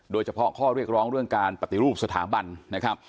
โดยเฉพาะข้อเรียกร้องเรื่องการปฏิรูปสถาบันนะครับ